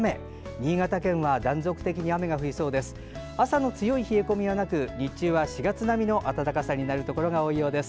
新潟県は断続的に雨が降りそうです。